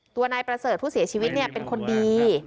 นายประเสริฐผู้เสียชีวิตเป็นคนดี